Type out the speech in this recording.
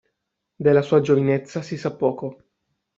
Della sua giovinezza si sa poco.